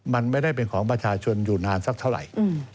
มันไม่ได้เป็นของประชาชนอยู่นานสักเท่าไหร่